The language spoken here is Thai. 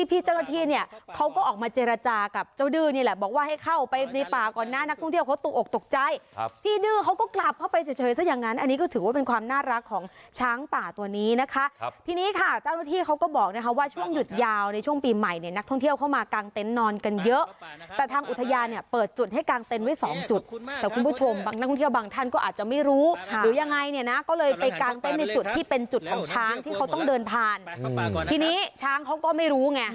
พี่เจ้าหน้าที่เนี่ยเขาก็ออกมาเจรจากับเจ้าดื้อนี่แหละบอกว่าให้เข้าไปในป่าก่อนนะพี่เจ้าหน้าที่เนี่ยเขาก็ออกมาเจรจากับเจ้าดื้อนี่แหละบอกว่าให้เข้าไปในป่าก่อนนะพี่เจ้าหน้าที่เนี่ยเขาก็ออกมาเจรจากับเจรจากับเจ้าดื้อนี่แหละบอกว่าให้เข้าไปในป่าก่อนนะพี่เจ้าหน้าที่เนี่ยเขาก็ออกมาเจรจากับเจ